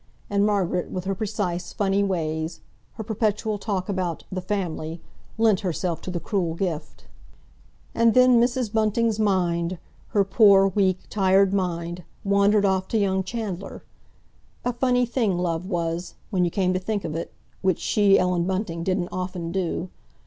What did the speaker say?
And Margaret, with her precise, funny ways, her perpetual talk about "the family," lent herself to the cruel gift. And then Mrs. Bunting's mind—her poor, weak, tired mind—wandered off to young Chandler. A funny thing love was, when you came to think of it—which she, Ellen Bunting, didn't often do.